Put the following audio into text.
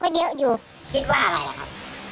ก็คิดว่าอะไรแหละครับ